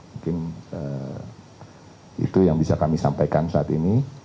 mungkin itu yang bisa kami sampaikan saat ini